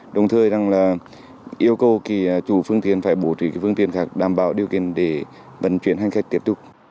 đồng thời rằng là yêu cầu chủ phương tiện phải bổ trí phương tiện khác đảm bảo điều kiện để vận chuyển hành khách tiếp tục